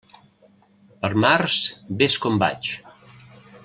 Per març, vés com vaig.